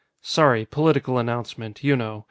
"Sorry. Political announcement, you know.